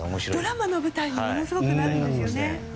ドラマの舞台にもものすごくなるんですよね。